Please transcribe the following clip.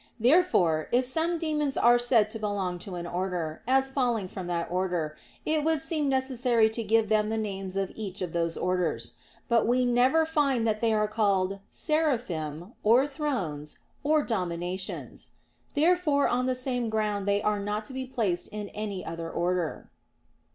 Therefore, if some demons are said to belong to an order, as falling from that order, it would seem necessary to give them the names of each of those orders. But we never find that they are called "Seraphim," or "Thrones," or "Dominations." Therefore on the same ground they are not to be placed in any other order.